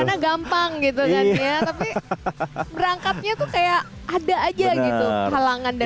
berencana gampang gitu kan ya tapi berangkatnya tuh kayak ada aja gitu halangan dan rintangan gitu